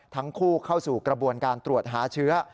ทั้งคู่เข้าสู่กระบวนการตรวจหาเชื้อ